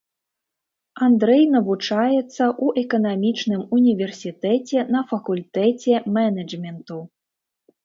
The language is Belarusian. Андрэй навучаецца ў эканамічным універсітэце на факультэце менеджменту.